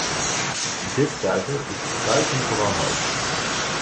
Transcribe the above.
Dit cijfer is buitengewoon hoog.